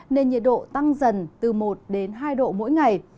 nên nhiệt độ tăng dần từ một đến hai độ mỗi ngày